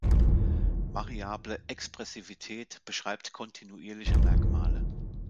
Variable Expressivität beschreibt kontinuierliche Merkmale.